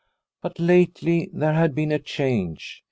But lately there had been a change.